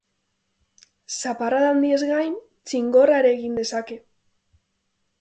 Zaparrada handiez gain, txingorra ere egin dezake.